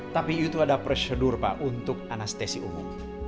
tapi itu ada prosedur pak untuk anestesi umum